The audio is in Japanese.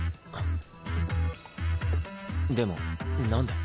でも何で。